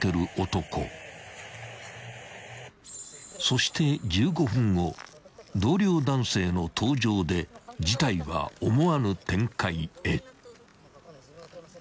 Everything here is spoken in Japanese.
［そして１５分後同僚男性の登場で事態は思わぬ展開へ］